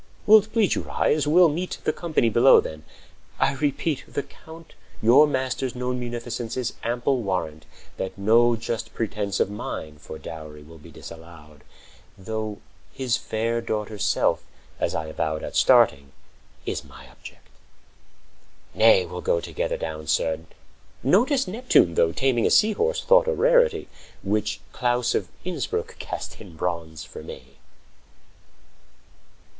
Will't please you rise? We'll meet The company below, then. I repeat, The Count your master's known munificence Is ample warrant that no just pretense50 Of mine for dowry will be disallowed; Though his fair daughter's self, as I avowed At starting, is my object. Nay, we'll go Together down, sir. Notice Neptune, though, Taming a sea horse, thought a rarity,55 Which Claus of Innsbruck cast in bronze for me!